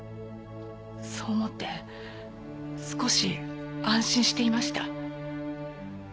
そう思って少し安心していました。